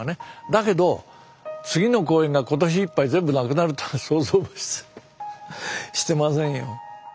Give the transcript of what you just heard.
だけど次の公演が今年いっぱい全部なくなるとは想像もしてませんよ。